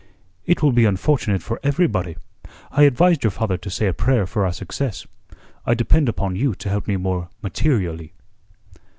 "It will be unfortunate for everybody. I advised your father to say a prayer for our success. I depend upon you to help me more materially."